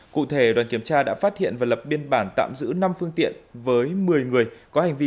cụ thể đoàn kiểm tra đã phát hiện và lập biên bản tạm giữ năm phương tiện với một mươi người có hành vi